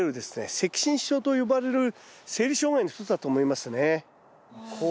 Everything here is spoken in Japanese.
赤芯症と呼ばれる生理障害の一つだと思いますね。